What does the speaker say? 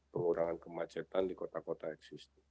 pengurangan kemacetan di kota kota eksis